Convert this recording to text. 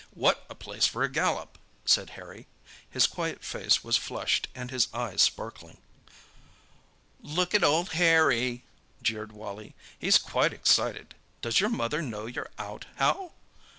"What a place for a gallop!" said Harry. His quiet face was flushed and his eyes sparkling. "Look at old Harry!" jeered Wally. "He's quite excited. Does your mother know you're out, Hal?"